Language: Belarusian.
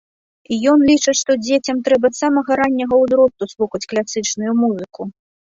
Ён лічыць, што дзецям трэба з самага ранняга ўзросту слухаць класічную музыку.